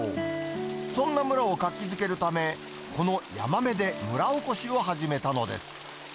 そんな村を活気づけるため、このヤマメで村おこしを始めたのです。